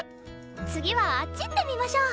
次はあっち行ってみましょう！